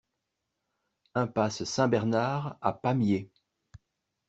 Impasse Saint-Bernard à Pamiers